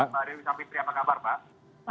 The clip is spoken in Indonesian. selamat malam mbak dewi savitri apa kabar mbak